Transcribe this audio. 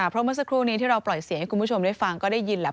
เพราะเมื่อสักครู่นี้ที่เราปล่อยเสียงให้คุณผู้ชมได้ฟังก็ได้ยินแหละ